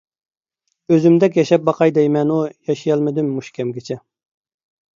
ئۆزۈمدەك ياشاپ باقاي دەيمەنۇ، ياشىيالمىدىم مۇشۇ كەمگىچە.